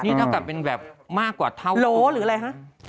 นี่เท่ากับเป็นแบบมากกว่าเท้าโหลหรืออะไรฮะ